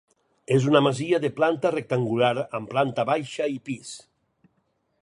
És una masia de planta rectangular amb planta baixa i pis.